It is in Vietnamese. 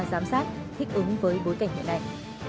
giám sát thích ứng với bối cảnh hiện nay